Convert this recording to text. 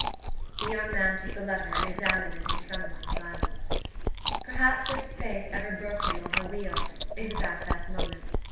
The young man took the letter and examined it in trembling silence. Perhaps if Fate ever broke him on her wheel it was at that moment.